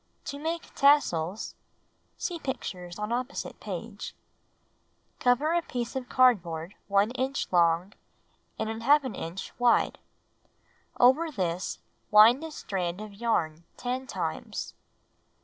To Make Tassels (See pictures on opposite page) 1. Cut a piece of cardboard 1 inch long and ^ inch wide. 2. Over this, wind a strand of yarn 10 times.